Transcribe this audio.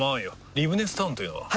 リブネスタウンというのは？